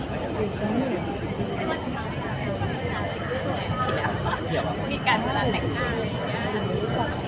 ขอบคุณครีมที่ชอบขอบคุณครีม